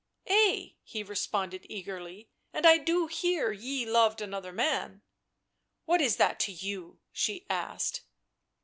" Ay," he responded eagerly; <c and I do hear ye loved another man "" What is that to you?" she asked.